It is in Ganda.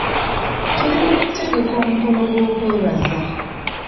Tuli mu kutegeka omukolo gw'okwebaza.